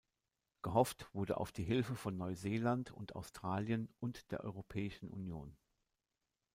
Gehofft wurde auf die Hilfe von Neuseeland und Australien und der Europäischen Union.